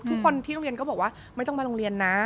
ทุกคนที่โรงเรียนก็บอกว่าไม่ต้องมาโรงเรียนนะ